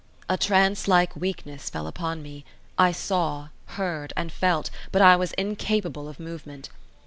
A trance like weakness fell upon me; I saw, heard, and felt, but I was incapable of movement.